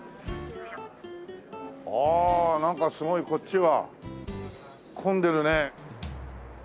ああなんかすごいこっちは混んでるね。